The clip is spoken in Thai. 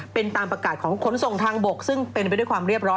เป็นตามประกาศของขนส่งทางบกซึ่งเป็นไปด้วยความเรียบร้อย